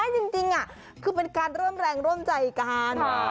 ไม่จริงคือเป็นการเริ่มแรงร่วมใจการ